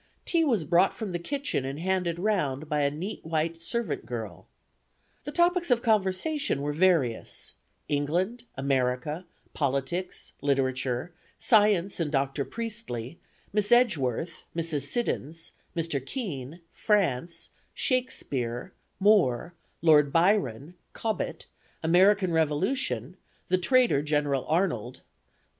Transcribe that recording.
Tea was brought from the kitchen and handed round by a neat white servant girl. The topics of conversation were various: England, America, politics, literature, science and Dr. Priestley, Miss Edgeworth, Mrs. Siddons, Mr. Kean, France, Shakespeare, Moore, Lord Byron, Cobbett, American Revolution, the traitor, Gen. Arnold.